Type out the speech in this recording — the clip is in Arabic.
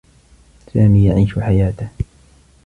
سامي يعيش حياته.